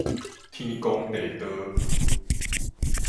天公地道